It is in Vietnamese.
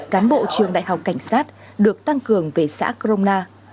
cán bộ trường đại học cảnh sát được tăng cường về xã crona